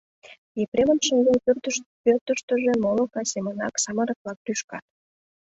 Епремын шеҥгел пӧртыштыжӧ моло кас семынак самырык-влак лӱшкат.